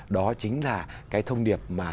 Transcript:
đó chính là cái thông điệp mà